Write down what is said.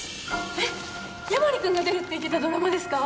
えっヤマリ君が出るって言ってたドラマですか？